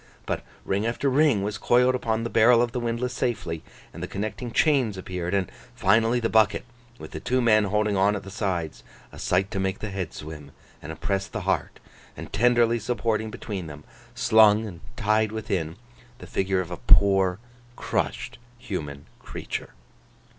But, ring after ring was coiled upon the barrel of the windlass safely, and the connecting chains appeared, and finally the bucket with the two men holding on at the sides—a sight to make the head swim, and oppress the heart—and tenderly supporting between them, slung and tied within, the figure of a poor, crushed, human creature.